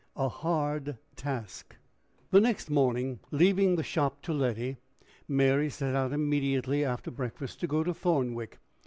A HARD TASK. The next morning, leaving the shop to Letty, Mary set out immediately after breakfast to go to Thornwick.